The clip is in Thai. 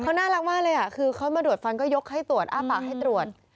เขาน่ารักมากเลยคือเขามาดวดฟันก็ยกให้ตรวจอ้าปากให้ตรวจ